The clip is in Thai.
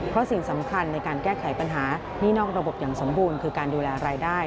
เพราะสิ่งสำคัญในการแก้ไขปัญหานี่นอกระบบอย่างสมบูรณ์คือการดูแลรายได้